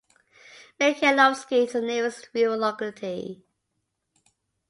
Mikhaylovsky is the nearest rural locality.